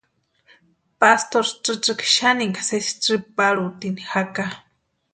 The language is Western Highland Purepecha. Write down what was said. Pastori tsïtsï xaninha sési tsïparhutini jaka.